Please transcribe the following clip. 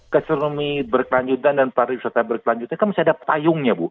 gastronomi berkelanjutan dan pariwisata berkelanjutan kan misalnya ada payungnya bu